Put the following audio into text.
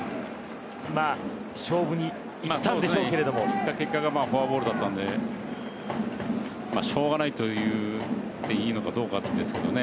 勝負にいったんでしょうけれどもいった結果がフォアボールだったんでしょうがないと言っていいのかどうかですけどね。